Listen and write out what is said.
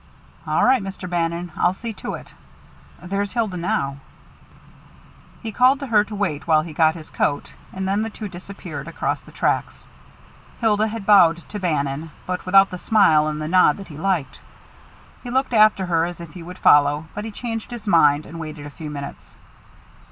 "All right, Mr. Bannon. I'll see to it. There's Hilda now." He called to her to wait while he got his coat, and then the two disappeared across the tracks. Hilda had bowed to Bannon, but without the smile and the nod that he liked. He looked after her as if he would follow; but he changed his mind, and waited a few minutes.